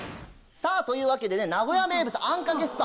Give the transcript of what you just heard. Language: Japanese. さぁというわけで名古屋名物あんかけスパ。